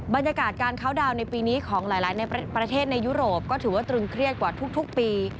บรรยากาศการเข้าดาวน์ในปีนี้ของหลายในประเทศในยุโรปก็ถือว่าตรึงเครียดกว่าทุกปี